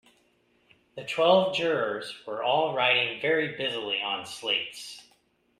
The twelve jurors were all writing very busily on slates.